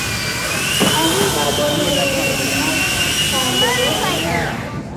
Agho ghabonyerelo ni mipande rose iw'i.